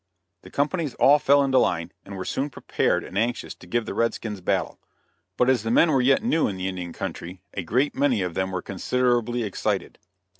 The companies all fell into line, and were soon prepared and anxious to give the red skins battle; but as the men were yet new in the Indian country a great many of them were considerably excited.